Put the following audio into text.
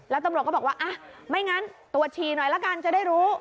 แล้วตำรวจก็บอกว่าอ่ะไม่งั้นตรวจฉี่หน่อยละกันจะได้รู้